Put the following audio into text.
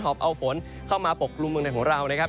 อบเอาฝนเข้ามาปกกลุ่มเมืองไทยของเรานะครับ